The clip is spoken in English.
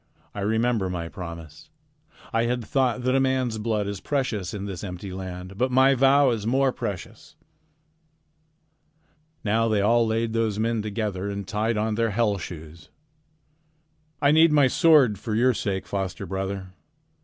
I remember my promise. I had thought that a man's blood is precious in this empty land, but my vow is more precious." Now they laid all those men together and tied on their hell shoes. "I need my sword for your sake, foster brother.